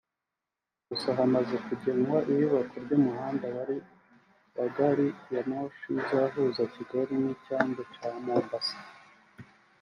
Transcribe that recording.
gusa hamaze kugenwa iyubakwa ry’umuhanda wa gari ya moshi izahuza Kigali n’icyambu cya Mombasa